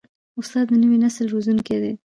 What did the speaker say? استاد د نوي نسل روزونکی دی.